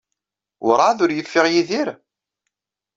Werɛad ur yeffiɣ Yidir?